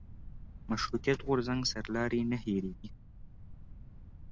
مشروطیت غورځنګ سرلاري نه هېرېږي.